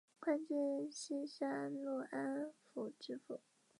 官至山西潞安府知府。